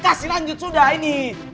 kasih lanjut sudah ini